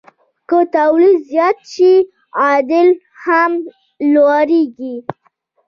که تولید زیات شي، عاید هم لوړېږي.